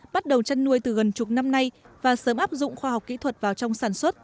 bắt đầu chăn nuôi từ gần chục năm nay và sớm áp dụng khoa học kỹ thuật vào trong sản xuất